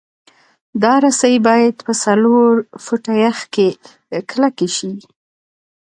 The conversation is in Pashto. دا رسۍ باید په څلور فټه یخ کې کلکې شي